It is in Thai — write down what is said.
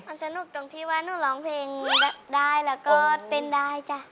มันสนุกตรงที่ว่าหนูร้องเพลงได้แล้วก็เต้นได้จ้ะ